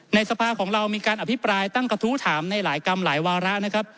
สภาของเรามีการอภิปรายตั้งกระทู้ถามในหลายกรรมหลายวาระนะครับ